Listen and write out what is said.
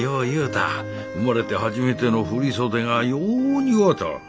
生まれて初めての振り袖がよう似合うとる。